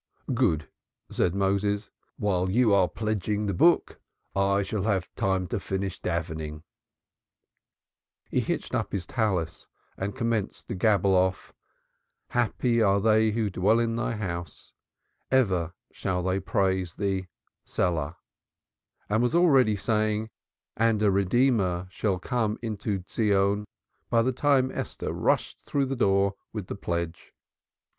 "Good!" said Moses. "While thou art pledging the book I shall have time to finish davening." He hitched up his Talith and commenced to gabble off, "Happy are they who dwell in Thy house; ever shall they praise Thee, Selah," and was already saying, "And a Redeemer shall come unto Zion," by the time Esther rushed out through the door with the pledge.